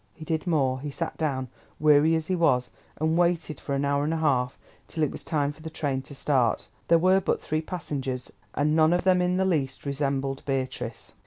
He did more; he sat down, weary as he was, and waited for an hour and a half, till it was time for the train to start. There were but three passengers, and none of them in the least resembled Beatrice.